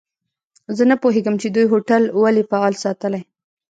زه نه پوهیږم چي دوی هوټل ولي فعال ساتلی.